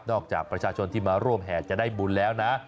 จากประชาชนที่มาร่วมแห่จะได้บุญแล้วนะ